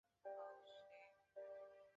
咖啡好喝，点心也很好吃